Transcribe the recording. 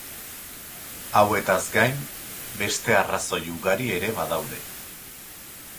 Hauetaz gain, beste arrazoi ugari ere badaude.